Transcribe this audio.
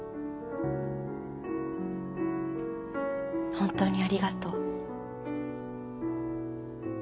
本当にありがとう。